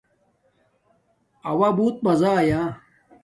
اݸݳ بُݸت مزہ آیݳ.